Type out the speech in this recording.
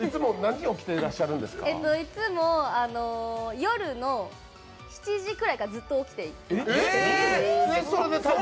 いつも夜の７時くらいからずっと起きてます。